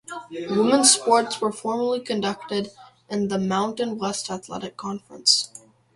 Women's sports were formerly conducted in the Mountain West Athletic Conference.